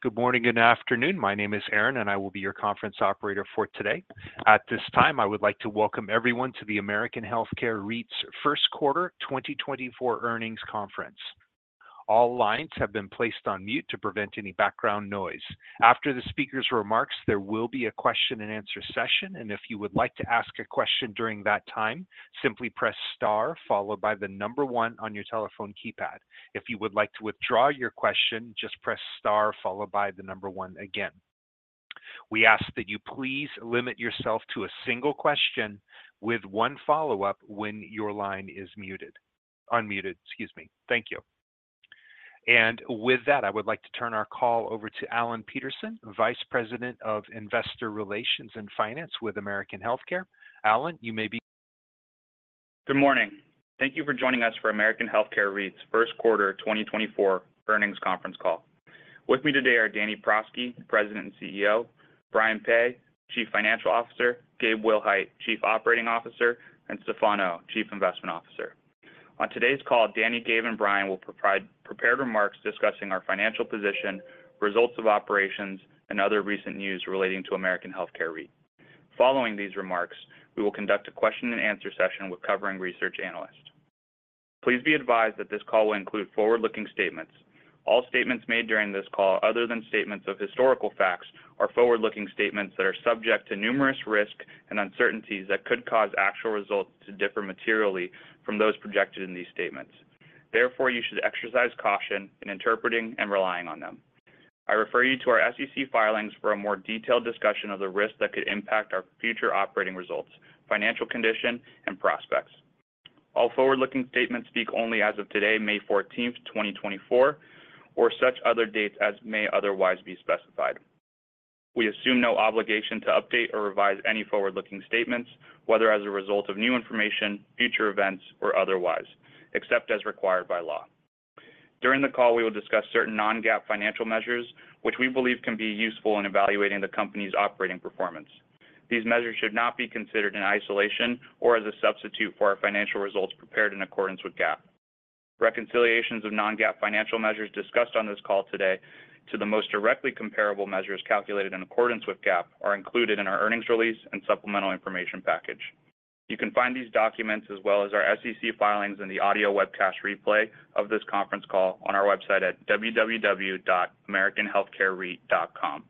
Good morning and afternoon. My name is Aaron, and I will be your conference operator for today. At this time, I would like to welcome everyone to the American Healthcare REIT's first quarter 2024 earnings conference. All lines have been placed on mute to prevent any background noise. After the speaker's remarks, there will be a question-and-answer session, and if you would like to ask a question during that time, simply press star followed by the number one on your telephone keypad. If you would like to withdraw your question, just press star followed by the number one again. We ask that you please limit yourself to a single question with one follow-up when your line is muted, unmuted, excuse me. Thank you. And with that, I would like to turn our call over to Alan Peterson, Vice President of Investor Relations and Finance with American Healthcare. Alan, you may begin. Good morning. Thank you for joining us for American Healthcare REIT's first quarter 2024 earnings conference call. With me today are Danny Prosky, President and CEO, Brian Peay, Chief Financial Officer, Gabe Willhite, Chief Operating Officer, and Stefan Oh, Chief Investment Officer. On today's call, Danny, Gabe, and Brian will provide prepared remarks discussing our financial position, results of operations, and other recent news relating to American Healthcare REIT. Following these remarks, we will conduct a question-and-answer session with covering research analysts. Please be advised that this call will include forward-looking statements. All statements made during this call, other than statements of historical facts, are forward-looking statements that are subject to numerous risks and uncertainties that could cause actual results to differ materially from those projected in these statements. Therefore, you should exercise caution in interpreting and relying on them. I refer you to our SEC filings for a more detailed discussion of the risks that could impact our future operating results, financial condition, and prospects. All forward-looking statements speak only as of today, May 14th, 2024, or such other dates as may otherwise be specified. We assume no obligation to update or revise any forward-looking statements, whether as a result of new information, future events, or otherwise, except as required by law. During the call, we will discuss certain non-GAAP financial measures, which we believe can be useful in evaluating the company's operating performance. These measures should not be considered in isolation or as a substitute for our financial results prepared in accordance with GAAP. Reconciliations of non-GAAP financial measures discussed on this call today to the most directly comparable measures calculated in accordance with GAAP are included in our earnings release and supplemental information package. You can find these documents as well as our SEC filings and the audio webcast replay of this conference call on our website at www.americanhealthcarereit.com.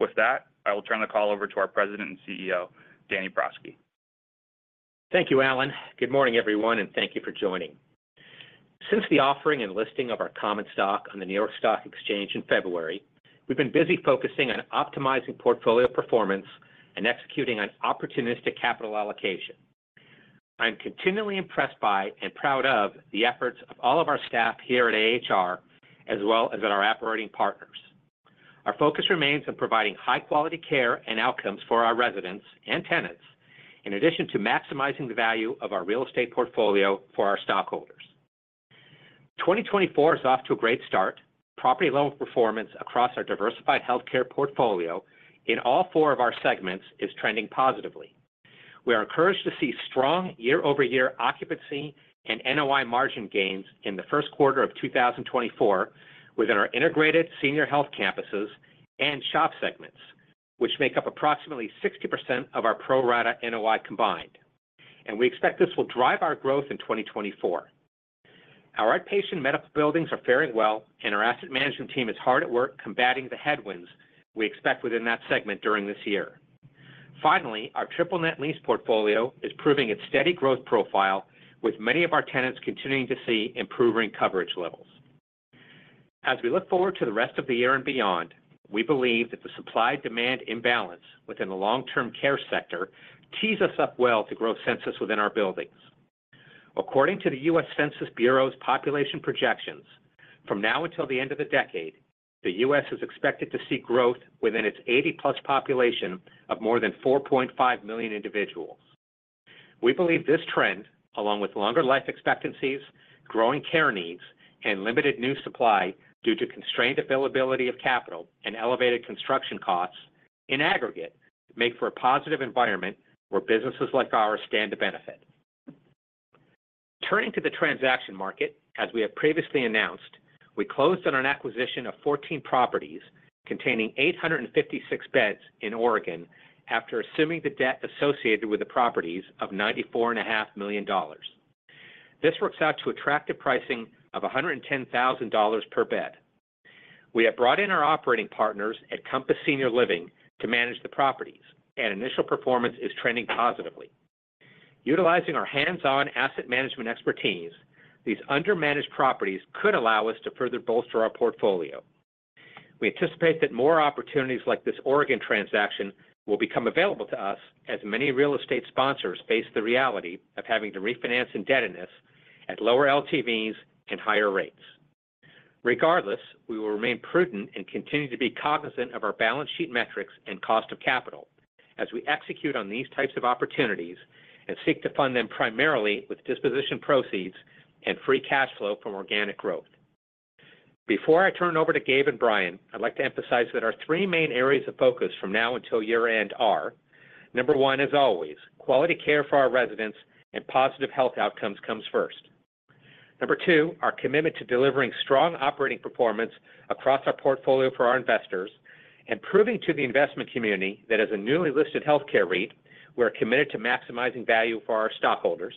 With that, I will turn the call over to our President and CEO, Danny Prosky. Thank you, Alan. Good morning, everyone, and thank you for joining. Since the offering and listing of our common stock on the New York Stock Exchange in February, we've been busy focusing on optimizing portfolio performance and executing on opportunistic capital allocation. I'm continually impressed by and proud of the efforts of all of our staff here at AHR, as well as at our operating partners. Our focus remains on providing high-quality care and outcomes for our residents and tenants, in addition to maximizing the value of our real estate portfolio for our stockholders. 2024 is off to a great start. Property-level performance across our diversified healthcare portfolio in all four of our segments is trending positively. We are encouraged to see strong year-over-year occupancy and NOI margin gains in the first quarter of 2024 within our Integrated Senior Health Campuses and SHOP segments, which make up approximately 60% of our pro-rata NOI combined. We expect this will drive our growth in 2024. Our outpatient medical buildings are faring well, and our asset management team is hard at work combating the headwinds we expect within that segment during this year. Finally, our triple net lease portfolio is proving its steady growth profile, with many of our tenants continuing to see improving coverage levels. As we look forward to the rest of the year and beyond, we believe that the supply-demand imbalance within the long-term care sector tees us up well to grow census within our buildings. According to the U.S. Census Bureau's population projections, from now until the end of the decade, the U.S. is expected to see growth within its 80+ population of more than 4.5 million individuals. We believe this trend, along with longer life expectancies, growing care needs, and limited new supply due to constrained availability of capital and elevated construction costs, in aggregate, make for a positive environment where businesses like ours stand to benefit. Turning to the transaction market, as we have previously announced, we closed on an acquisition of 14 properties containing 856 beds in Oregon after assuming the debt associated with the properties of $94.5 million. This works out to attractive pricing of $110,000 per bed. We have brought in our operating partners at Compass Senior Living to manage the properties, and initial performance is trending positively. Utilizing our hands-on asset management expertise, these under-managed properties could allow us to further bolster our portfolio. We anticipate that more opportunities like this Oregon transaction will become available to us as many real estate sponsors face the reality of having to refinance indebtedness at lower LTVs and higher rates. Regardless, we will remain prudent and continue to be cognizant of our balance sheet metrics and cost of capital as we execute on these types of opportunities and seek to fund them primarily with disposition proceeds and free cash flow from organic growth. Before I turn it over to Gabe and Brian, I'd like to emphasize that our three main areas of focus from now until year-end are: Number one, as always, quality care for our residents and positive health outcomes comes first. Number two, our commitment to delivering strong operating performance across our portfolio for our investors and proving to the investment community that, as a newly listed healthcare REIT, we are committed to maximizing value for our stockholders.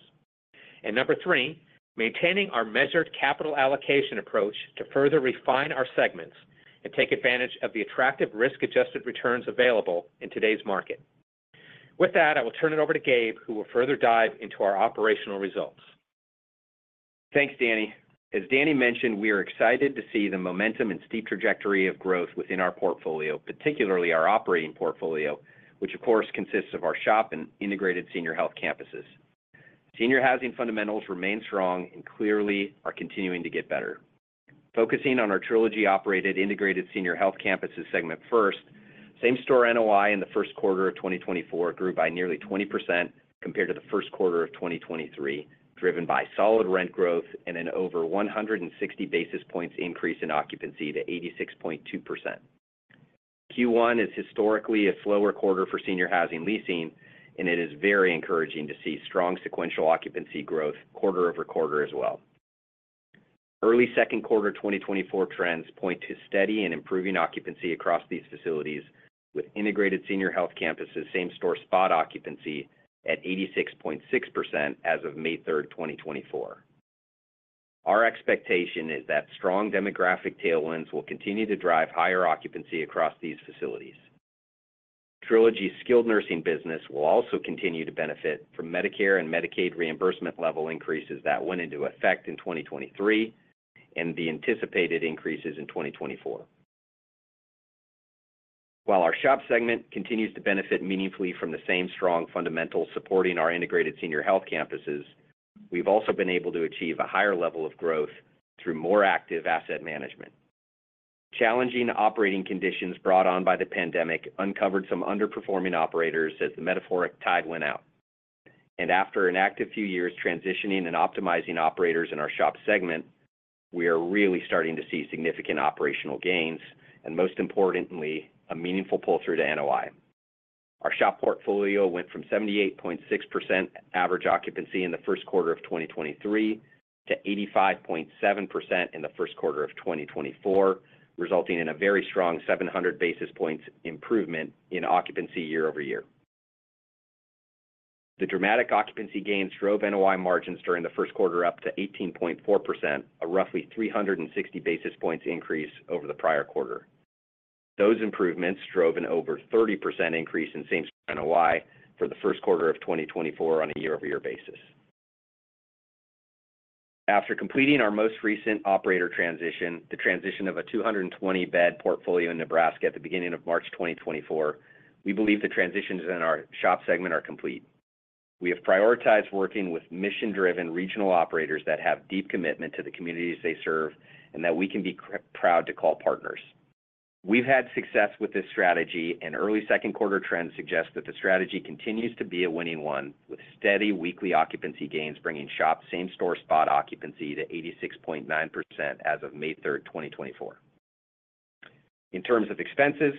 And number three, maintaining our measured capital allocation approach to further refine our segments and take advantage of the attractive risk-adjusted returns available in today's market. With that, I will turn it over to Gabe, who will further dive into our operational results. Thanks, Danny. As Danny mentioned, we are excited to see the momentum and steep trajectory of growth within our portfolio, particularly our operating portfolio, which, of course, consists of our SHOP and Integrated Senior Health Campuses. Senior housing fundamentals remain strong and clearly are continuing to get better. Focusing on our Trilogy-operated Integrated Senior Health Campuses segment first, same-store NOI in the first quarter of 2024 grew by nearly 20% compared to the first quarter of 2023, driven by solid rent growth and an over 160 basis points increase in occupancy to 86.2%. Q1 is historically a slower quarter for senior housing leasing, and it is very encouraging to see strong sequential occupancy growth quarter-over-quarter as well. Early second quarter 2024 trends point to steady and improving occupancy across these facilities, with Integrated Senior Health Campuses same-store spot occupancy at 86.6% as of May 3rd, 2024. Our expectation is that strong demographic tailwinds will continue to drive higher occupancy across these facilities. Trilogy's skilled nursing business will also continue to benefit from Medicare and Medicaid reimbursement level increases that went into effect in 2023 and the anticipated increases in 2024. While our SHOP segment continues to benefit meaningfully from the same strong fundamentals supporting our Integrated Senior Health Campuses, we've also been able to achieve a higher level of growth through more active asset management. Challenging operating conditions brought on by the pandemic uncovered some underperforming operators as the metaphoric tide went out. And after an active few years transitioning and optimizing operators in our SHOP segment, we are really starting to see significant operational gains and, most importantly, a meaningful pull-through to NOI. Our SHOP portfolio went from 78.6% average occupancy in the first quarter of 2023 to 85.7% in the first quarter of 2024, resulting in a very strong 700 basis points improvement in occupancy year-over-year. The dramatic occupancy gains drove NOI margins during the first quarter up to 18.4%, a roughly 360 basis points increase over the prior quarter. Those improvements drove an over 30% increase in same-store NOI for the first quarter of 2024 on a year-over-year basis. After completing our most recent operator transition, the transition of a 220-bed portfolio in Nebraska at the beginning of March 2024, we believe the transitions in our SHOP segment are complete. We have prioritized working with mission-driven regional operators that have deep commitment to the communities they serve and that we can be proud to call partners. We've had success with this strategy, and early second quarter trends suggest that the strategy continues to be a winning one, with steady weekly occupancy gains bringing SHOP same-store spot occupancy to 86.9% as of May 3rd, 2024. In terms of expenses,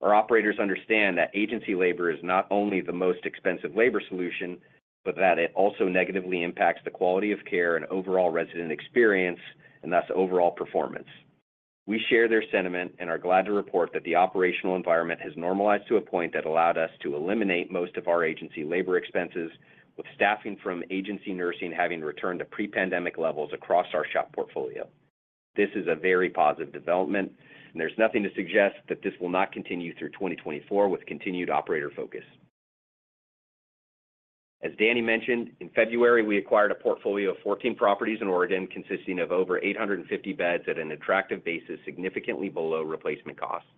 our operators understand that agency labor is not only the most expensive labor solution but that it also negatively impacts the quality of care and overall resident experience, and thus overall performance. We share their sentiment and are glad to report that the operational environment has normalized to a point that allowed us to eliminate most of our agency labor expenses, with staffing from agency nursing having returned to pre-pandemic levels across our SHOP portfolio. This is a very positive development, and there's nothing to suggest that this will not continue through 2024 with continued operator focus. As Danny mentioned, in February we acquired a portfolio of 14 properties in Oregon consisting of over 850 beds at an attractive basis significantly below replacement costs.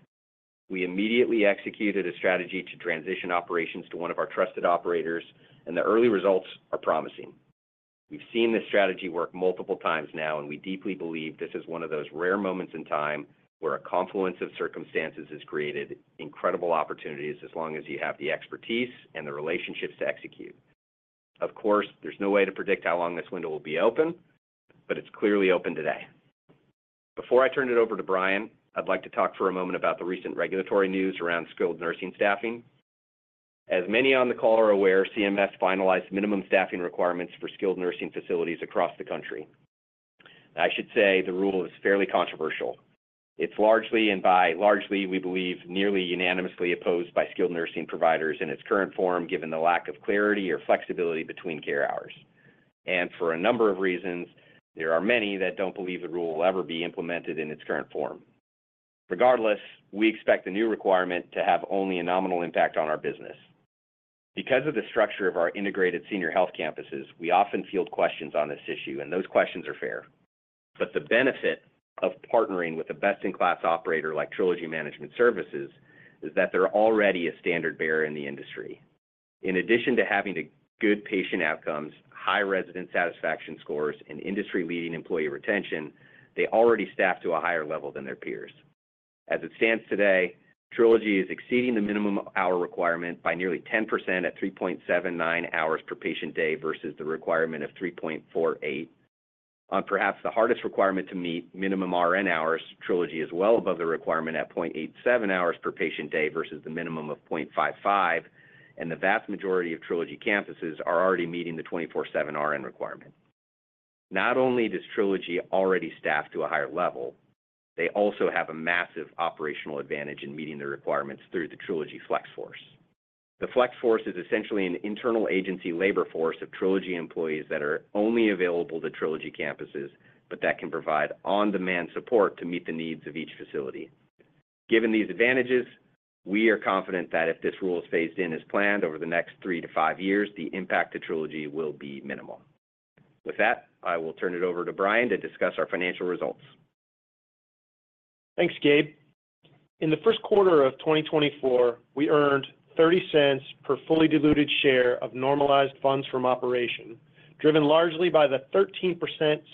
We immediately executed a strategy to transition operations to one of our trusted operators, and the early results are promising. We've seen this strategy work multiple times now, and we deeply believe this is one of those rare moments in time where a confluence of circumstances has created incredible opportunities as long as you have the expertise and the relationships to execute. Of course, there's no way to predict how long this window will be open, but it's clearly open today. Before I turn it over to Brian, I'd like to talk for a moment about the recent regulatory news around skilled nursing staffing. As many on the call are aware, CMS finalized minimum staffing requirements for skilled nursing facilities across the country. I should say the rule is fairly controversial. It's largely and by "largely" we believe nearly unanimously opposed by skilled nursing providers in its current form given the lack of clarity or flexibility between care hours. For a number of reasons, there are many that don't believe the rule will ever be implemented in its current form. Regardless, we expect the new requirement to have only a nominal impact on our business. Because of the structure of our Integrated Senior Health Campuses, we often field questions on this issue, and those questions are fair. But the benefit of partnering with a best-in-class operator like Trilogy Management Services is that they're already a standard bearer in the industry. In addition to having good patient outcomes, high resident satisfaction scores, and industry-leading employee retention, they already staff to a higher level than their peers. As it stands today, Trilogy is exceeding the minimum hour requirement by nearly 10% at 3.79 hours per patient day versus the requirement of 3.48 hours. On perhaps the hardest requirement to meet, minimum RN hours, Trilogy is well above the requirement at 0.87 hours per patient day versus the minimum of 0.55 hours, and the vast majority of Trilogy campuses are already meeting the 24/7 RN requirement. Not only does Trilogy already staff to a higher level, they also have a massive operational advantage in meeting the requirements through the Trilogy FlexForce. The FlexForce is essentially an internal agency labor force of Trilogy employees that are only available to Trilogy campuses but that can provide on-demand support to meet the needs of each facility. Given these advantages, we are confident that if this rule is phased in as planned over the next three to five years, the impact to Trilogy will be minimal. With that, I will turn it over to Brian to discuss our financial results. Thanks, Gabe. In the first quarter of 2024, we earned $0.30 per fully diluted share of normalized funds from operations, driven largely by the 13%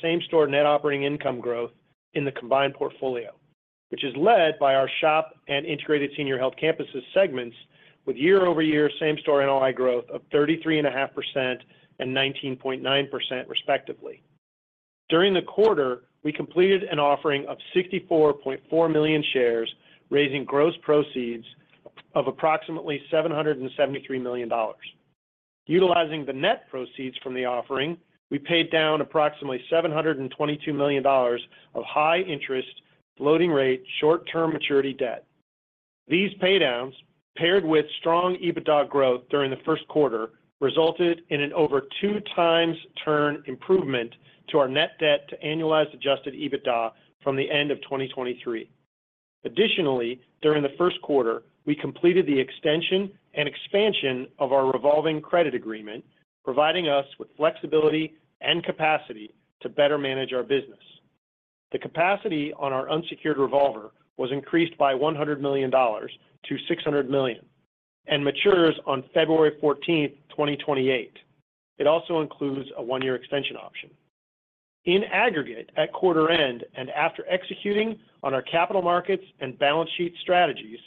same-store net operating income growth in the combined portfolio, which is led by our SHOP and Integrated Senior Health Campuses segments with year-over-year same-store NOI growth of 33.5% and 19.9%, respectively. During the quarter, we completed an offering of 64.4 million shares, raising gross proceeds of approximately $773 million. Utilizing the net proceeds from the offering, we paid down approximately $722 million of high-interest, floating-rate, short-term maturity debt. These paydowns, paired with strong EBITDA growth during the first quarter, resulted in an over two-times-turn improvement to our net debt to annualized Adjusted EBITDA from the end of 2023. Additionally, during the first quarter, we completed the extension and expansion of our revolving credit agreement, providing us with flexibility and capacity to better manage our business. The capacity on our unsecured revolver was increased by $100 million to $600 million and matures on February 14th, 2028. It also includes a one-year extension option. In aggregate, at quarter-end and after executing on our capital markets and balance sheet strategies,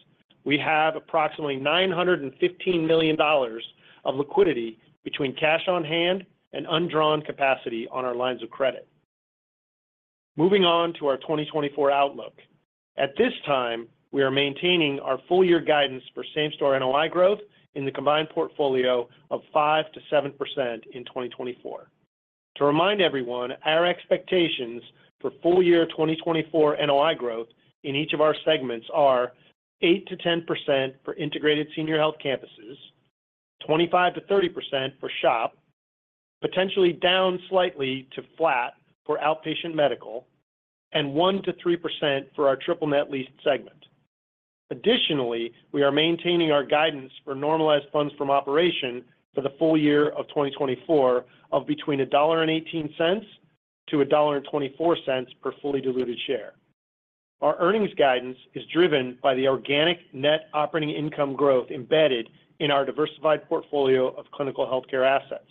we have approximately $915 million of liquidity between cash on hand and undrawn capacity on our lines of credit. Moving on to our 2024 outlook. At this time, we are maintaining our full-year guidance for same-store NOI growth in the combined portfolio of 5%-7% in 2024. To remind everyone, our expectations for full-year 2024 NOI growth in each of our segments are 8%-10% for Integrated Senior Health Campuses, 25%-30% for SHOP, potentially down slightly to flat for outpatient medical, and 1%-3% for our triple net lease segment. Additionally, we are maintaining our guidance for Normalized Funds From Operations for the full year of 2024 of between $1.18-$1.24 per fully diluted share. Our earnings guidance is driven by the organic Net Operating Income growth embedded in our diversified portfolio of clinical healthcare assets,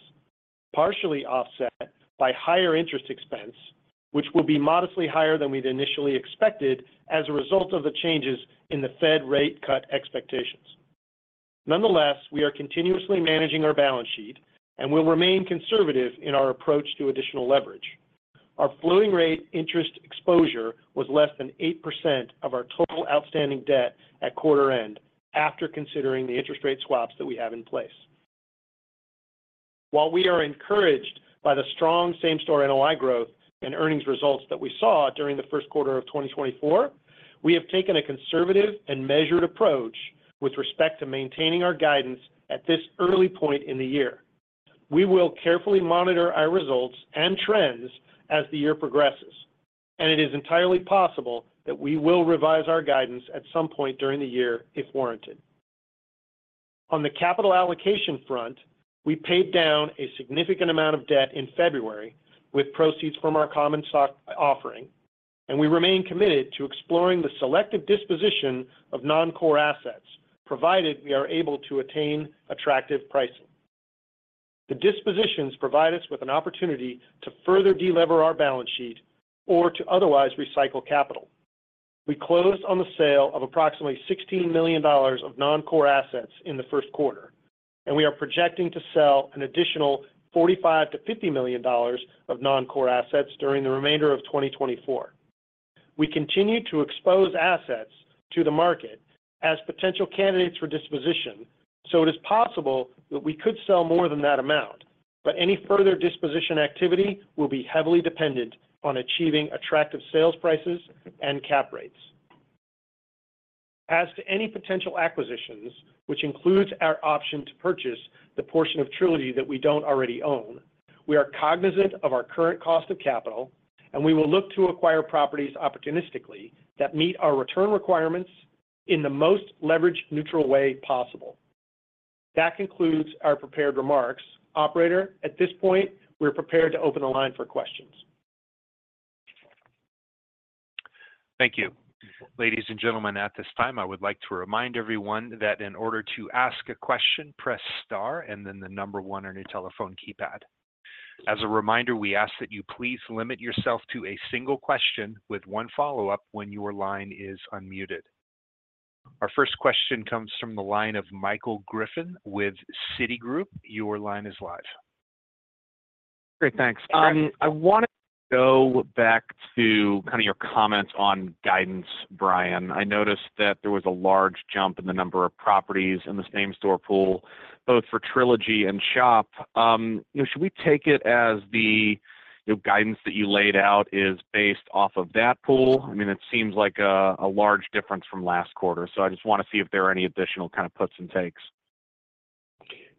partially offset by higher interest expense, which will be modestly higher than we'd initially expected as a result of the changes in the Fed rate cut expectations. Nonetheless, we are continuously managing our balance sheet and will remain conservative in our approach to additional leverage. Our floating rate interest exposure was less than 8% of our total outstanding debt at quarter-end after considering the interest rate swaps that we have in place. While we are encouraged by the strong same-store NOI growth and earnings results that we saw during the first quarter of 2024, we have taken a conservative and measured approach with respect to maintaining our guidance at this early point in the year. We will carefully monitor our results and trends as the year progresses, and it is entirely possible that we will revise our guidance at some point during the year if warranted. On the capital allocation front, we paid down a significant amount of debt in February with proceeds from our common stock offering, and we remain committed to exploring the selective disposition of non-core assets provided we are able to attain attractive pricing. The dispositions provide us with an opportunity to further delever our balance sheet or to otherwise recycle capital. We closed on the sale of approximately $16 million of non-core assets in the first quarter, and we are projecting to sell an additional $45-$50 million of non-core assets during the remainder of 2024. We continue to expose assets to the market as potential candidates for disposition, so it is possible that we could sell more than that amount, but any further disposition activity will be heavily dependent on achieving attractive sales prices and cap rates. As to any potential acquisitions, which includes our option to purchase the portion of Trilogy that we don't already own, we are cognizant of our current cost of capital, and we will look to acquire properties opportunistically that meet our return requirements in the most leverage-neutral way possible. That concludes our prepared remarks. Operator, at this point, we're prepared to open the line for questions. Thank you. Ladies and gentlemen, at this time, I would like to remind everyone that in order to ask a question, press star and then the number one on your telephone keypad. As a reminder, we ask that you please limit yourself to a single question with one follow-up when your line is unmuted. Our first question comes from the line of Michael Griffin with Citigroup. Your line is live. Great. Thanks. I want to go back to kind of your comments on guidance, Brian. I noticed that there was a large jump in the number of properties in the same-store pool, both for Trilogy and SHOP. Should we take it as the guidance that you laid out is based off of that pool? I mean, it seems like a large difference from last quarter, so I just want to see if there are any additional kind of puts and takes.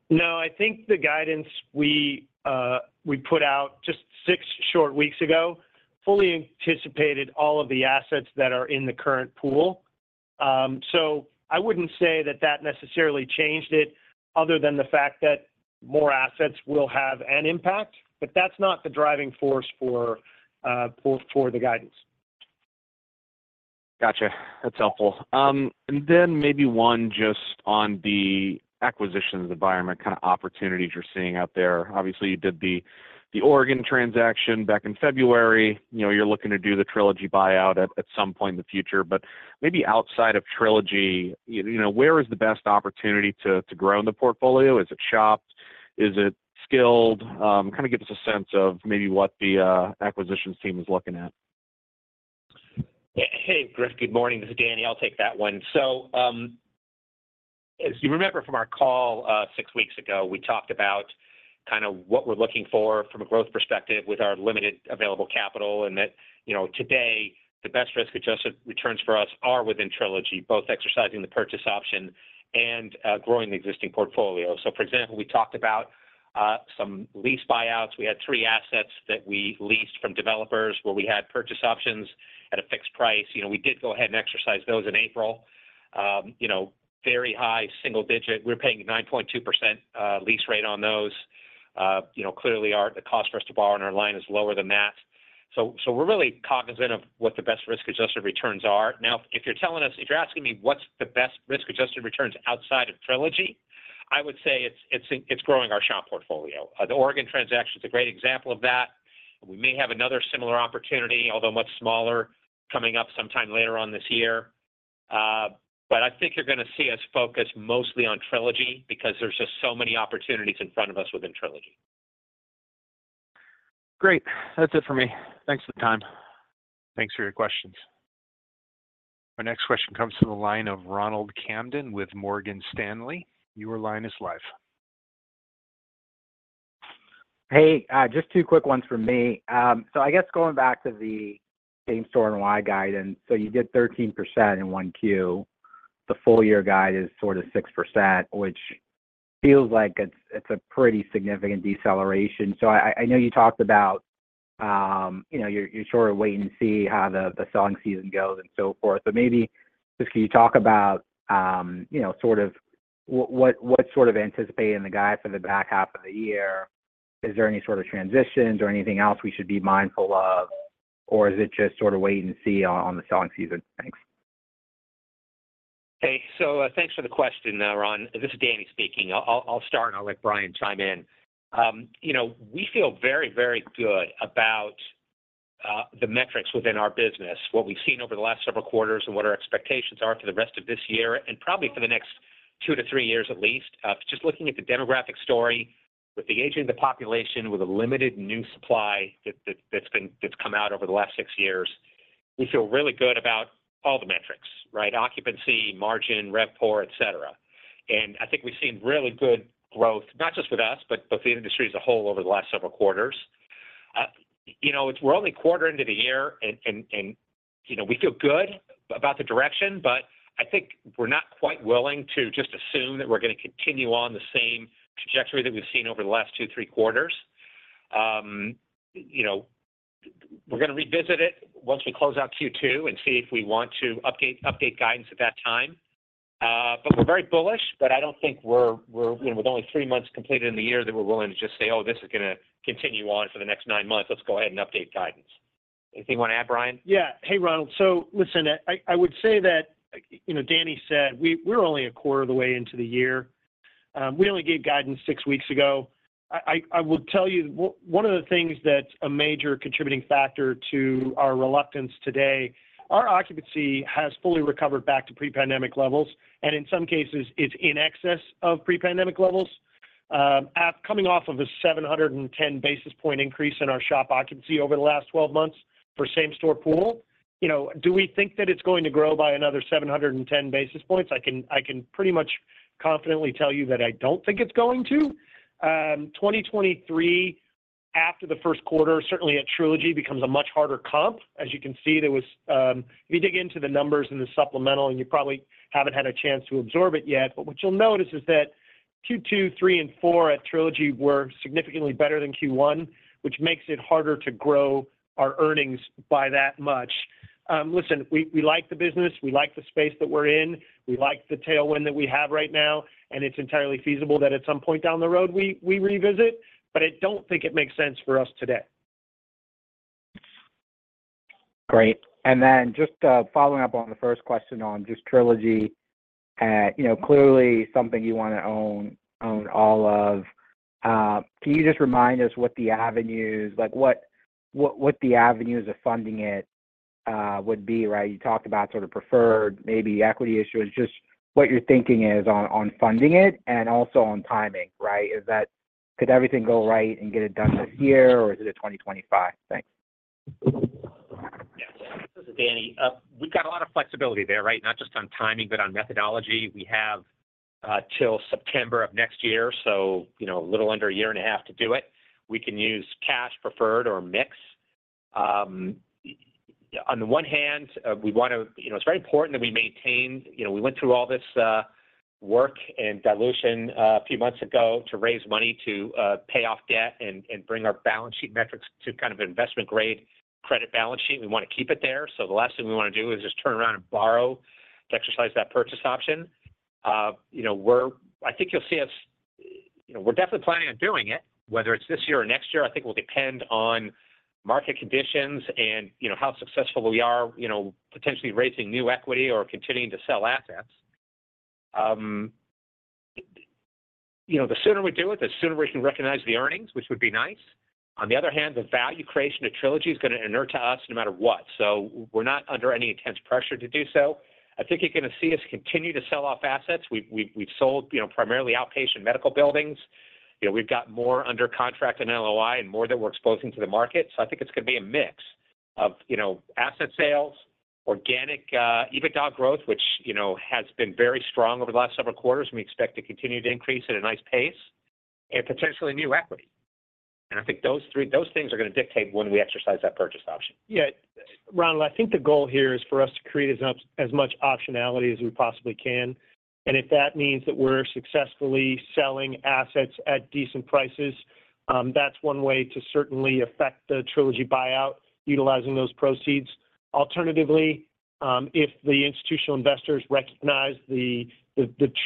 No, I think the guidance we put out just six short weeks ago fully anticipated all of the assets that are in the current pool. So I wouldn't say that that necessarily changed it other than the fact that more assets will have an impact, but that's not the driving force for the guidance. Gotcha. That's helpful. And then maybe one just on the acquisitions environment, kind of opportunities you're seeing out there. Obviously, you did the Oregon transaction back in February. You're looking to do the Trilogy buyout at some point in the future, but maybe outside of Trilogy, where is the best opportunity to grow in the portfolio? Is it SHOP? Is it skilled? Kind of give us a sense of maybe what the acquisitions team is looking at. Hey, Griff. Good morning. This is Danny. I'll take that one. So as you remember from our call six weeks ago, we talked about kind of what we're looking for from a growth perspective with our limited available capital and that today, the best risk-adjusted returns for us are within Trilogy, both exercising the purchase option and growing the existing portfolio. So for example, we talked about some lease buyouts. We had three assets that we leased from developers where we had purchase options at a fixed price. We did go ahead and exercise those in April. Very high single-digit. We're paying a 9.2% lease rate on those. Clearly, the cost for us to borrow on our line is lower than that. So we're really cognizant of what the best risk-adjusted returns are. Now, if you're telling us if you're asking me what's the best risk-adjusted returns outside of Trilogy, I would say it's growing our SHOP portfolio. The Oregon transaction is a great example of that. We may have another similar opportunity, although much smaller, coming up sometime later on this year. I think you're going to see us focus mostly on Trilogy because there's just so many opportunities in front of us within Trilogy. Great. That's it for me. Thanks for the time. Thanks for your questions. Our next question comes from the line of Ronald Kamdem with Morgan Stanley. Your line is live. Hey, just two quick ones from me. So I guess going back to the same-store NOI guidance, so you did 13% in 1Q. The full-year guide is sort of 6%, which feels like it's a pretty significant deceleration. So I know you talked about you're sort of waiting to see how the selling season goes and so forth, but maybe just can you talk about sort of what sort of anticipating the guidance for the back half of the year? Is there any sort of transitions or anything else we should be mindful of, or is it just sort of wait and see on the selling season? Thanks. Hey, so thanks for the question, Ron. This is Danny speaking. I'll start, and I'll let Brian chime in. We feel very, very good about the metrics within our business, what we've seen over the last several quarters, and what our expectations are for the rest of this year and probably for the next two to three years at least. Just looking at the demographic story, with the aging of the population, with a limited new supply that's come out over the last six years, we feel really good about all the metrics, right? Occupancy, margin, RevPOR, etc. And I think we've seen really good growth, not just with us, but with the industry as a whole over the last several quarters. We're only quarter into the year, and we feel good about the direction, but I think we're not quite willing to just assume that we're going to continue on the same trajectory that we've seen over the last two, three quarters. We're going to revisit it once we close out Q2 and see if we want to update guidance at that time. But we're very bullish, but I don't think we're with only three months completed in the year that we're willing to just say, "Oh, this is going to continue on for the next nine months. Let's go ahead and update guidance." Anything you want to add, Brian? Yeah. Hey, Ronald. So listen, I would say that Danny said we're only a quarter of the way into the year. We only gave guidance six weeks ago. I will tell you one of the things that's a major contributing factor to our reluctance today. Our occupancy has fully recovered back to pre-pandemic levels, and in some cases, it's in excess of pre-pandemic levels. Coming off of a 710 basis point increase in our SHOP occupancy over the last 12 months for same-store pool, do we think that it's going to grow by another 710 basis points? I can pretty much confidently tell you that I don't think it's going to. 2023, after the first quarter, certainly at Trilogy, becomes a much harder comp. As you can see, there was, if you dig into the numbers in the supplemental, and you probably haven't had a chance to absorb it yet, but what you'll notice is that Q2, Q3, and Q4 at Trilogy were significantly better than Q1, which makes it harder to grow our earnings by that much. Listen, we like the business. We like the space that we're in. We like the tailwind that we have right now, and it's entirely feasible that at some point down the road, we revisit, but I don't think it makes sense for us today. Great. And then just following up on the first question on just Trilogy, clearly something you want to own all of. Can you just remind us what the avenues of funding it would be, right? You talked about sort of preferred, maybe equity issues, just what your thinking is on funding it and also on timing, right? Could everything go right and get it done this year, or is it a 2025? Thanks. Yeah. This is Danny. We've got a lot of flexibility there, right? Not just on timing, but on methodology. We have till September of next year, so a little under a year and a half to do it. We can use cash, preferred, or mix. On the one hand, we want to it's very important that we maintain we went through all this work and dilution a few months ago to raise money to pay off debt and bring our balance sheet metrics to kind of an investment-grade credit balance sheet. We want to keep it there. So the last thing we want to do is just turn around and borrow to exercise that purchase option. I think you'll see us we're definitely planning on doing it, whether it's this year or next year. I think it will depend on market conditions and how successful we are potentially raising new equity or continuing to sell assets. The sooner we do it, the sooner we can recognize the earnings, which would be nice. On the other hand, the value creation of Trilogy is going to inure to us no matter what. So we're not under any intense pressure to do so. I think you're going to see us continue to sell off assets. We've sold primarily outpatient medical buildings. We've got more under contract in NOI and more that we're exposing to the market. So I think it's going to be a mix of asset sales, organic EBITDA growth, which has been very strong over the last several quarters, and we expect to continue to increase at a nice pace, and potentially new equity. I think those three things are going to dictate when we exercise that purchase option. Yeah. Ronald, I think the goal here is for us to create as much optionality as we possibly can. If that means that we're successfully selling assets at decent prices, that's one way to certainly affect the Trilogy buyout utilizing those proceeds. Alternatively, if the institutional investors recognize the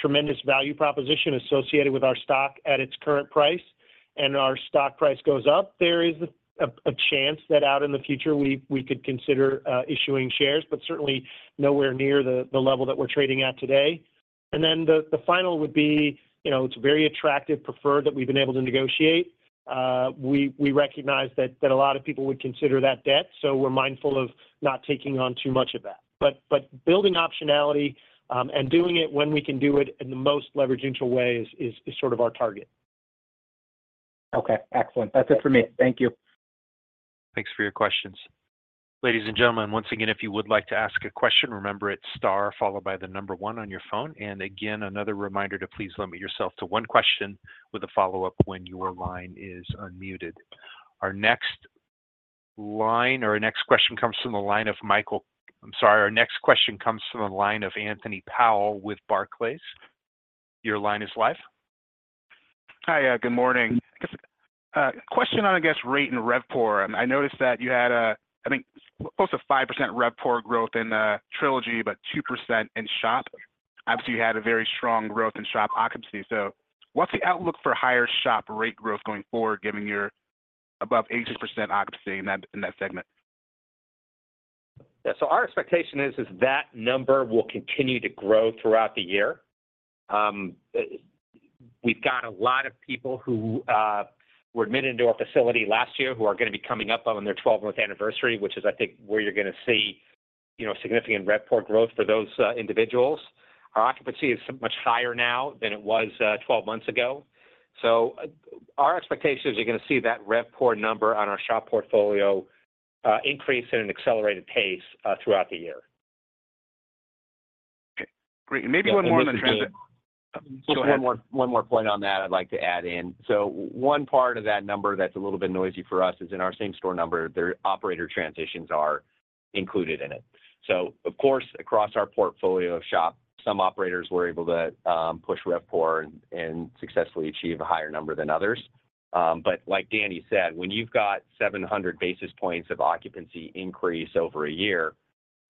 tremendous value proposition associated with our stock at its current price and our stock price goes up, there is a chance that out in the future, we could consider issuing shares, but certainly nowhere near the level that we're trading at today. Then the final would be it's a very attractive preferred that we've been able to negotiate. We recognize that a lot of people would consider that debt, so we're mindful of not taking on too much of that. Building optionality and doing it when we can do it in the most leverage-neutral way is sort of our target. Okay. Excellent. That's it for me. Thank you. Thanks for your questions. Ladies and gentlemen, once again, if you would like to ask a question, remember it's star followed by the number one on your phone. And again, another reminder to please limit yourself to one question with a follow-up when your line is unmuted. Our next line or our next question comes from the line of Michael. I'm sorry. Our next question comes from the line of Anthony Powell with Barclays. Your line is live. Hi. Good morning. I guess a question on, I guess, rate and RevPOR. I noticed that you had, I think, close to 5% RevPOR growth in Trilogy, but 2% in SHOP. Obviously, you had a very strong growth in SHOP occupancy. So what's the outlook for higher SHOP rate growth going forward given your above 86% occupancy in that segment? Yeah. So our expectation is that number will continue to grow throughout the year. We've got a lot of people who were admitted into our facility last year who are going to be coming up on their 12-month anniversary, which is, I think, where you're going to see significant RevPOR growth for those individuals. Our occupancy is much higher now than it was 12 months ago. So our expectations are you're going to see that RevPOR number on our SHOP portfolio increase at an accelerated pace throughout the year. Okay. Great. And maybe one more on the transition. Just one more point on that I'd like to add in. So one part of that number that's a little bit noisy for us is in our same-store number, their operator transitions are included in it. So of course, across our portfolio of SHOP, some operators were able to push RevPOR and successfully achieve a higher number than others. But like Danny said, when you've got 700 basis points of occupancy increase over a year,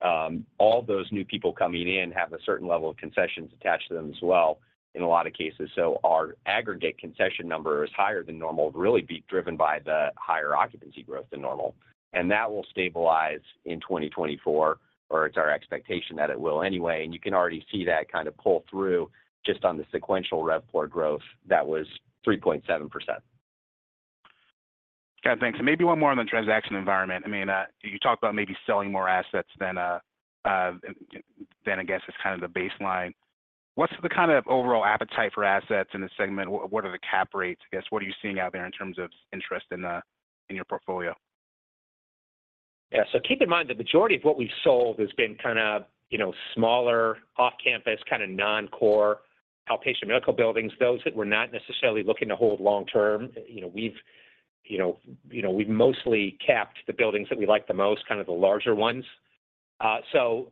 all those new people coming in have a certain level of concessions attached to them as well in a lot of cases. So our aggregate concession number is higher than normal, really driven by the higher occupancy growth than normal. And that will stabilize in 2024, or it's our expectation that it will anyway. And you can already see that kind of pull through just on the sequential RevPOR growth that was 3.7%. Got it. Thanks. And maybe one more on the transaction environment. I mean, you talked about maybe selling more assets than, I guess, is kind of the baseline. What's the kind of overall appetite for assets in this segment? What are the cap rates? I guess, what are you seeing out there in terms of interest in your portfolio? Yeah. So keep in mind the majority of what we've sold has been kind of smaller, off-campus, kind of non-core outpatient medical buildings, those that we're not necessarily looking to hold long-term. We've mostly capped the buildings that we like the most, kind of the larger ones. So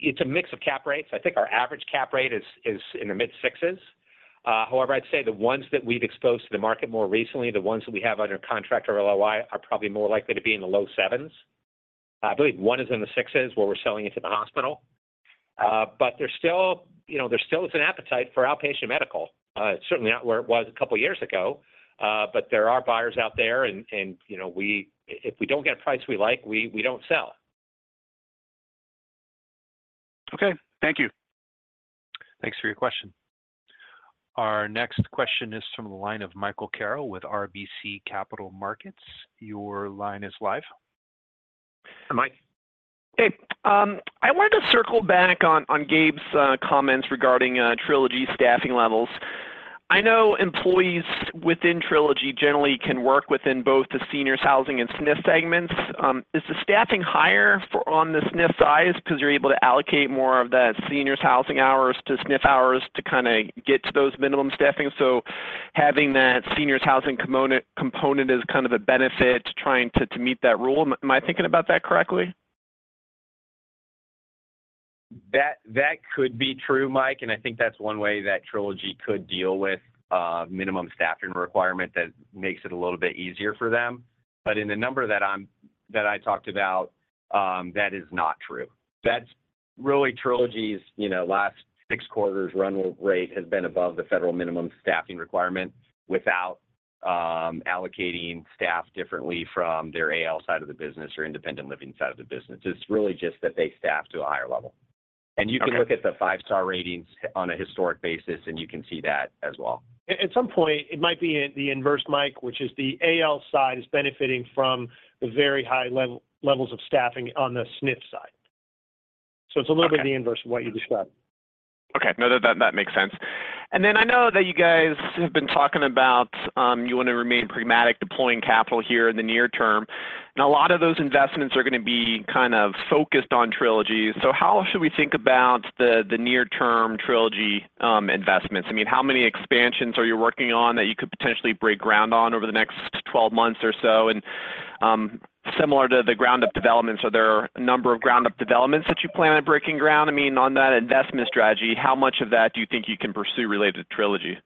it's a mix of cap rates. I think our average cap rate is in the mid-sixes. However, I'd say the ones that we've exposed to the market more recently, the ones that we have under contract or LOI, are probably more likely to be in the low seven's. I believe one is in the sixes where we're selling it to the hospital. But there still is an appetite for outpatient medical. It's certainly not where it was a couple of years ago. But there are buyers out there, and if we don't get a price we like, we don't sell. Okay. Thank you. Thanks for your question. Our next question is from the line of Michael Carroll with RBC Capital Markets. Your line is live. Hi, Mike. Hey. I wanted to circle back on Gabe's comments regarding Trilogy staffing levels. I know employees within Trilogy generally can work within both the seniors' housing and SNF segments. Is the staffing higher on the SNF side because you're able to allocate more of the seniors' housing hours to SNF hours to kind of get to those minimum staffings? So having that seniors' housing component is kind of a benefit to trying to meet that rule. Am I thinking about that correctly? That could be true, Mike, and I think that's one way that Trilogy could deal with minimum staffing requirement that makes it a little bit easier for them. But in the number that I talked about, that is not true. Really, Trilogy's last six quarters' run rate has been above the federal minimum staffing requirement without allocating staff differently from their AL side of the business or independent living side of the business. It's really just that they staff to a higher level. You can look at the five-star ratings on a historic basis, and you can see that as well. At some point, it might be the inverse, Mike, which is the AL side is benefiting from the very high levels of staffing on the SNF side. So it's a little bit of the inverse of what you described. Okay. No, that makes sense. And then I know that you guys have been talking about you want to remain pragmatic deploying capital here in the near term. And a lot of those investments are going to be kind of focused on Trilogy. So how should we think about the near-term Trilogy investments? I mean, how many expansions are you working on that you could potentially break ground on over the next 12 months or so? And similar to the ground-up developments, are there a number of ground-up developments that you plan on breaking ground? I mean, on that investment strategy, how much of that do you think you can pursue related to Trilogy?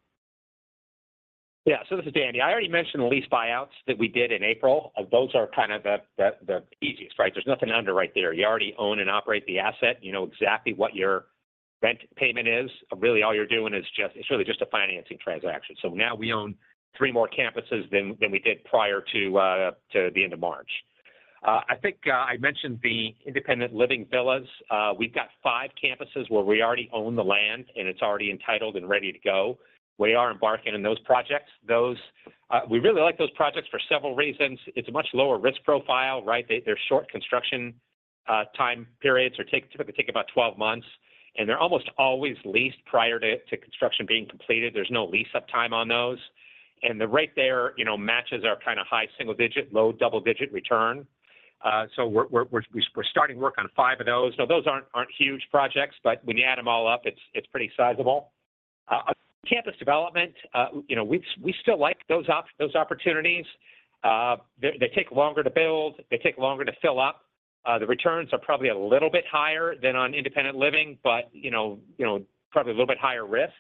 Yeah. So this is Danny. I already mentioned the lease buyouts that we did in April. Those are kind of the easiest, right? There's nothing to underwrite there. You already own and operate the asset. You know exactly what your rent payment is. Really, all you're doing is just it's really just a financing transaction. So now we own three more campuses than we did prior to the end of March. I think I mentioned the independent living villas. We've got five campuses where we already own the land, and it's already entitled and ready to go. We are embarking on those projects. We really like those projects for several reasons. It's a much lower risk profile, right? They're short construction time periods that typically take about 12 months, and they're almost always leased prior to construction being completed. There's no lease-up time on those. The rate there matches our kind of high single-digit, low double-digit return. So we're starting work on five of those. Now, those aren't huge projects, but when you add them all up, it's pretty sizable. Campus development, we still like those opportunities. They take longer to build. They take longer to fill up. The returns are probably a little bit higher than on independent living, but probably a little bit higher risk.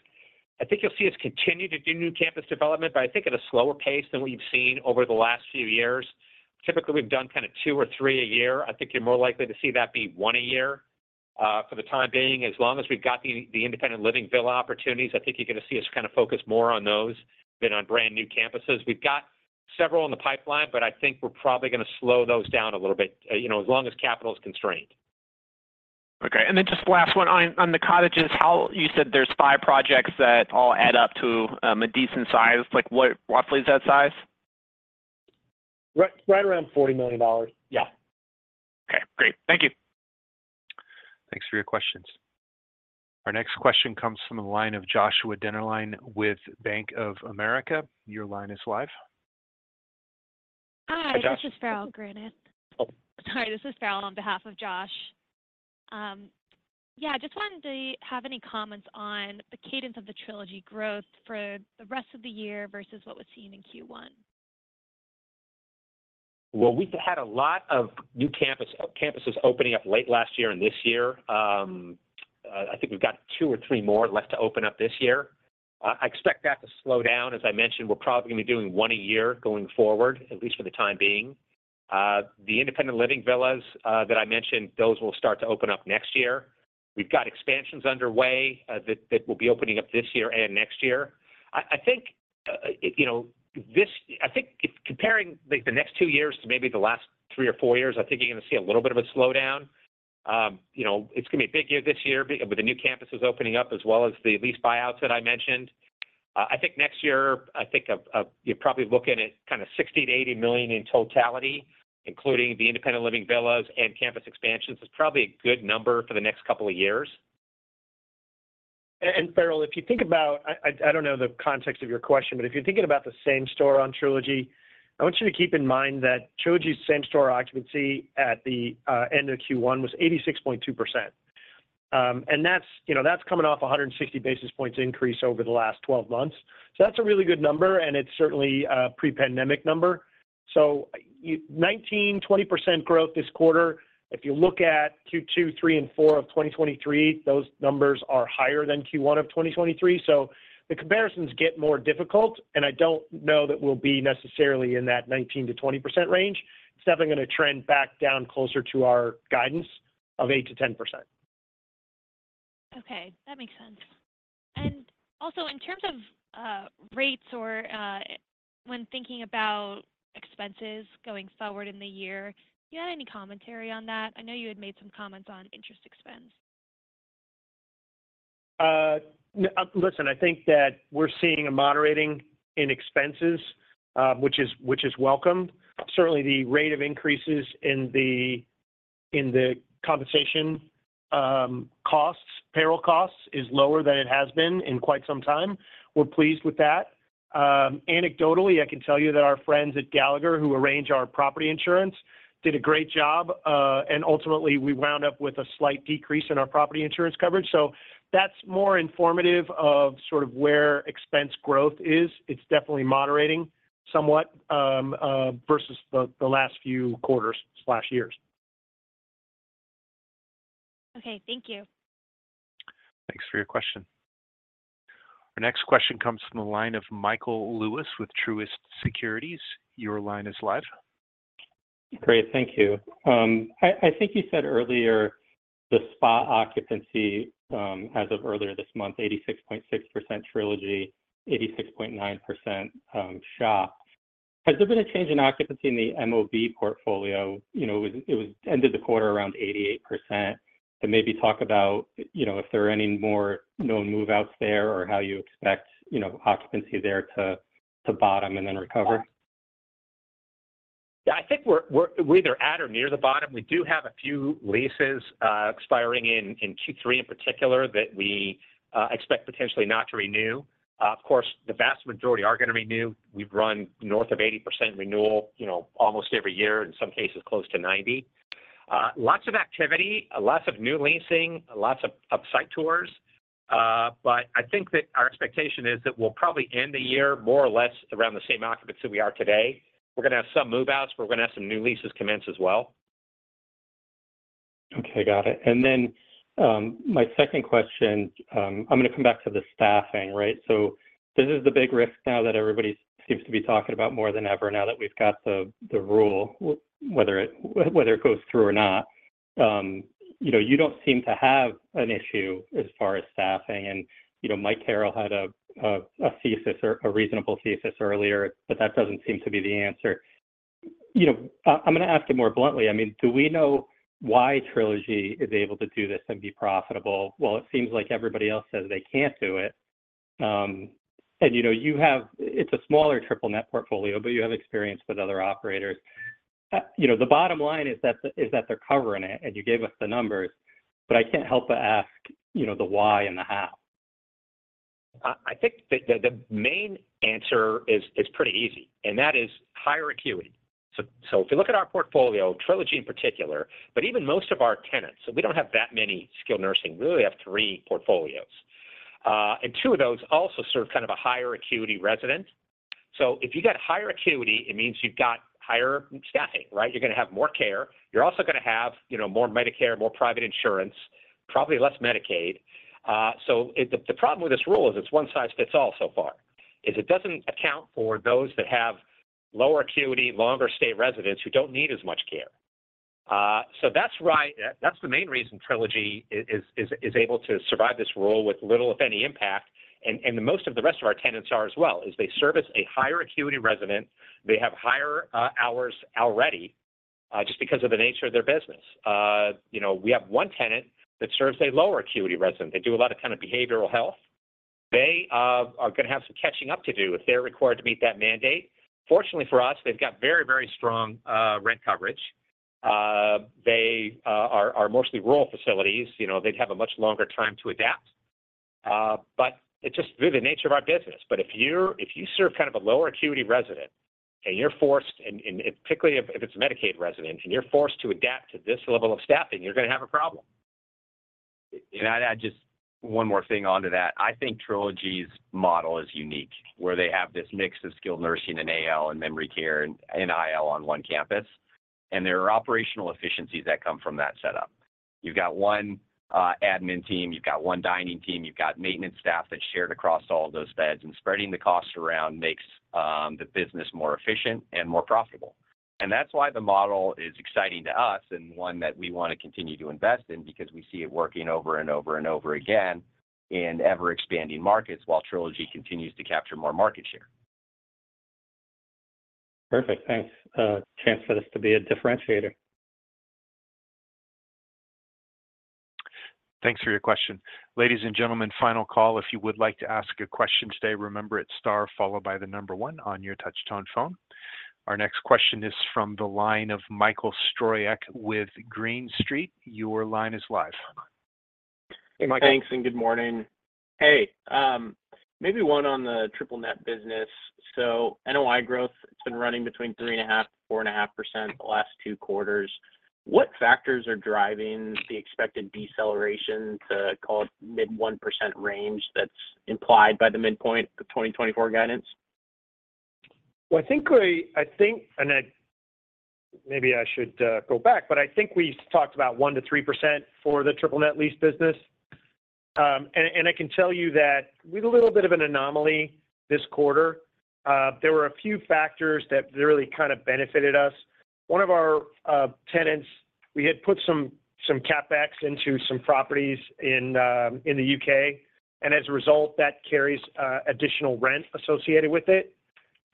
I think you'll see us continue to do new campus development, but I think at a slower pace than what you've seen over the last few years. Typically, we've done kind of two or three a year. I think you're more likely to see that be one a year for the time being. As long as we've got the independent living villa opportunities, I think you're going to see us kind of focus more on those than on brand new campuses. We've got several in the pipeline, but I think we're probably going to slow those down a little bit as long as capital is constrained. Okay. And then just last one on the cottages. You said there's five projects that all add up to a decent size. Roughly, is that size? Right around $40 million. Yeah. Okay. Great. Thank you. Thanks for your questions. Our next question comes from the line of Joshua Dennerlein with Bank of America. Your line is live. Hi. This is Farrell Granath. Sorry. This is Farrell on behalf of Josh. Yeah. I just wanted to have any comments on the cadence of the Trilogy growth for the rest of the year versus what was seen in Q1. Well, we've had a lot of new campuses opening up late last year and this year. I think we've got two or three more left to open up this year. I expect that to slow down. As I mentioned, we're probably going to be doing one a year going forward, at least for the time being. The independent living villas that I mentioned, those will start to open up next year. We've got expansions underway that will be opening up this year and next year. I think comparing the next two years to maybe the last three or four years, I think you're going to see a little bit of a slowdown. It's going to be a big year this year with the new campuses opening up as well as the lease buyouts that I mentioned. I think next year, I think you're probably looking at kind of $60 million-$80 million in totality, including the independent living villas and campus expansions. It's probably a good number for the next couple of years. And Farrell, if you think about I don't know the context of your question, but if you're thinking about the same-store on Trilogy, I want you to keep in mind that Trilogy's same-store occupancy at the end of Q1 was 86.2%. And that's coming off a 160 basis points increase over the last 12 months. So that's a really good number, and it's certainly a pre-pandemic number. So 19%-20% growth this quarter. If you look at Q2, Q3, and Q4 of 2023, those numbers are higher than Q1 of 2023. So the comparisons get more difficult, and I don't know that we'll be necessarily in that 19%-20% range. It's definitely going to trend back down closer to our guidance of 8%-10%. Okay. That makes sense. Also, in terms of rates or when thinking about expenses going forward in the year, do you have any commentary on that? I know you had made some comments on interest expense. Listen, I think that we're seeing a moderating in expenses, which is welcome. Certainly, the rate of increases in the compensation costs, payroll costs, is lower than it has been in quite some time. We're pleased with that. Anecdotally, I can tell you that our friends at Gallagher, who arrange our property insurance, did a great job. Ultimately, we wound up with a slight decrease in our property insurance coverage. So that's more informative of sort of where expense growth is. It's definitely moderating somewhat versus the last few quarters/years. Okay. Thank you. Thanks for your question. Our next question comes from the line of Michael Lewis with Truist Securities. Your line is live. Great. Thank you. I think you said earlier the spot occupancy as of earlier this month, 86.6% Trilogy, 86.9% SHOP. Has there been a change in occupancy in the MOB portfolio? It ended the quarter around 88%. And maybe talk about if there are any more known move-outs there or how you expect occupancy there to bottom and then recover. Yeah. I think we're either at or near the bottom. We do have a few leases expiring in Q3 in particular that we expect potentially not to renew. Of course, the vast majority are going to renew. We've run north of 80% renewal almost every year, in some cases close to 90%. Lots of activity, lots of new leasing, lots of site tours. But I think that our expectation is that we'll probably end the year more or less around the same occupancy we are today. We're going to have some move-outs, but we're going to have some new leases commence as well. Okay. Got it. And then my second question, I'm going to come back to the staffing, right? So this is the big risk now that everybody seems to be talking about more than ever now that we've got the rule, whether it goes through or not. You don't seem to have an issue as far as staffing. And Mike Carroll had a thesis, a reasonable thesis earlier, but that doesn't seem to be the answer. I'm going to ask it more bluntly. I mean, do we know why Trilogy is able to do this and be profitable? Well, it seems like everybody else says they can't do it. And it's a smaller triple net portfolio, but you have experience with other operators. The bottom line is that they're covering it, and you gave us the numbers. But I can't help but ask the why and the how. I think that the main answer is pretty easy, and that is higher acuity. So if you look at our portfolio, Trilogy in particular, but even most of our tenants so we don't have that many skilled nursing. We really have three portfolios. And two of those also serve kind of a higher acuity resident. So if you've got higher acuity, it means you've got higher staffing, right? You're going to have more care. You're also going to have more Medicare, more private insurance, probably less Medicaid. So the problem with this rule is it's one size fits all so far, is it doesn't account for those that have lower acuity, longer stay residents who don't need as much care. So that's the main reason Trilogy is able to survive this rule with little, if any, impact. And most of the rest of our tenants are as well, is they service a higher acuity resident. They have higher hours already just because of the nature of their business. We have one tenant that serves a lower acuity resident. They do a lot of kind of behavioral health. They are going to have some catching up to do if they're required to meet that mandate. Fortunately for us, they've got very, very strong rent coverage. They are mostly rural facilities. They'd have a much longer time to adapt. But it's just the nature of our business. But if you serve kind of a lower acuity resident and you're forced, and particularly if it's a Medicaid resident, and you're forced to adapt to this level of staffing, you're going to have a problem. And one more thing onto that. I think Trilogy's model is unique, where they have this mix of skilled nursing and AL and memory care and IL on one campus. And there are operational efficiencies that come from that setup. You've got one admin team. You've got one dining team. You've got maintenance staff that's shared across all of those beds. And spreading the costs around makes the business more efficient and more profitable. And that's why the model is exciting to us and one that we want to continue to invest in because we see it working over and over and over again in ever-expanding markets while Trilogy continues to capture more market share. Perfect. Thanks. Chance for this to be a differentiator. Thanks for your question. Ladies and gentlemen, final call. If you would like to ask a question today, remember it's star followed by the number one on your touch-tone phone. Our next question is from the line of Michael Stroyeck with Green Street. Your line is live. Hey, Michael. Thanks and good morning. Hey, maybe one on the triple net business. So NOI growth, it's been running between 3.5%-4.5% the last two quarters. What factors are driving the expected deceleration to call it mid-1% range that's implied by the midpoint of 2024 guidance? Well, I think and maybe I should go back, but I think we talked about 1%-3% for the triple-net lease business. I can tell you that with a little bit of an anomaly this quarter, there were a few factors that really kind of benefited us. One of our tenants, we had put some CapEx into some properties in the U.K. And as a result, that carries additional rent associated with it.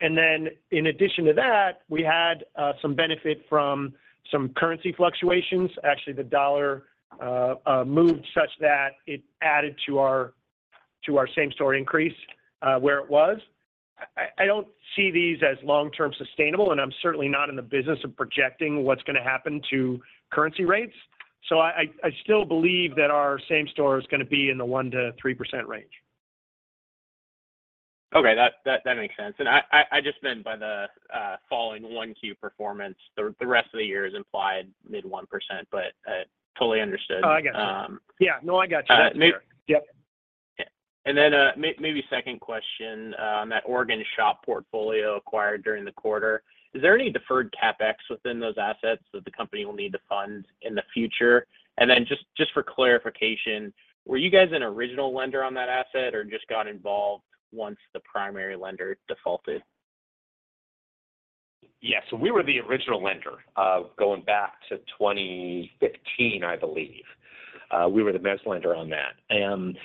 And then in addition to that, we had some benefit from some currency fluctuations. Actually, the dollar moved such that it added to our same-store increase where it was. I don't see these as long-term sustainable, and I'm certainly not in the business of projecting what's going to happen to currency rates. So I still believe that our same-store is going to be in the 1%-3% range. Okay. That makes sense. And I just meant by the following 1Q performance. The rest of the year is implied mid-1%, but totally understood. Oh, I gotcha. Yeah. No, I gotcha. That's fair. Yep. And then maybe second question on that Oregon SHOP portfolio acquired during the quarter. Is there any deferred CapEx within those assets that the company will need to fund in the future? And then just for clarification, were you guys an original lender on that asset or just got involved once the primary lender defaulted? Yes. So we were the original lender going back to 2015, I believe. We were the mezz lender on that. And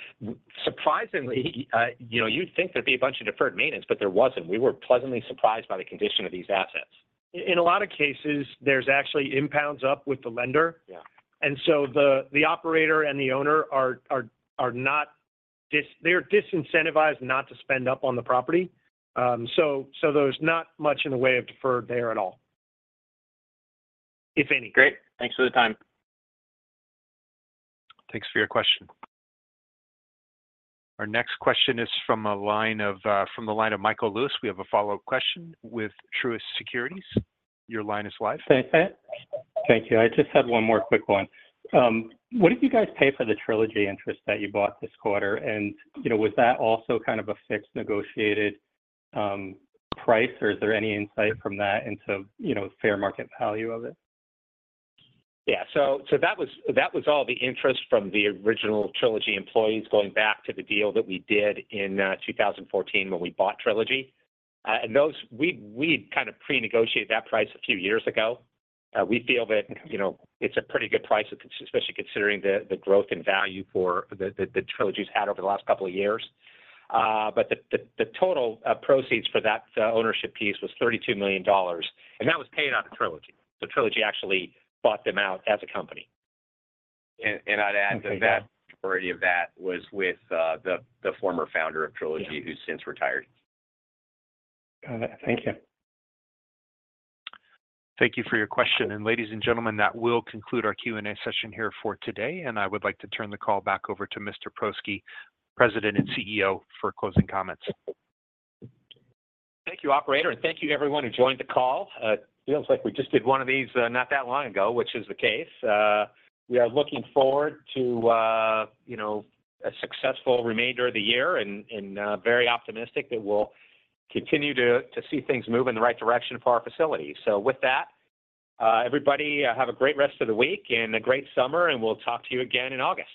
surprisingly, you'd think there'd be a bunch of deferred maintenance, but there wasn't. We were pleasantly surprised by the condition of these assets. In a lot of cases, there's actually impounds up with the lender. So the operator and the owner are disincentivized not to spend up on the property. So there's not much in the way of deferred there at all, if any. Great. Thanks for the time. Thanks for your question. Our next question is from the line of Michael Lewis. We have a follow-up question with Truist Securities. Your line is live. Thank you. I just had one more quick one. What did you guys pay for the Trilogy interest that you bought this quarter? And was that also kind of a fixed negotiated price, or is there any insight from that into fair market value of it? Yeah. So that was all the interest from the original Trilogy employees going back to the deal that we did in 2014 when we bought Trilogy. And we'd kind of pre-negotiated that price a few years ago. We feel that it's a pretty good price, especially considering the growth and value that Trilogy's had over the last couple of years. But the total proceeds for that ownership piece was $32 million. And that was paid out of Trilogy. So Trilogy actually bought them out as a company. I'd add that the majority of that was with the former founder of Trilogy who's since retired. Got it. Thank you. Thank you for your question. Ladies and gentlemen, that will conclude our Q&A session here for today. I would like to turn the call back over to Mr. Prosky, President and CEO, for closing comments. Thank you, operator. Thank you, everyone who joined the call. It feels like we just did one of these not that long ago, which is the case. We are looking forward to a successful remainder of the year and very optimistic that we'll continue to see things move in the right direction for our facility. With that, everybody, have a great rest of the week and a great summer. We'll talk to you again in August.